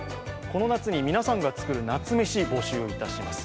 この夏に皆さんが作る夏メシ、募集いたします。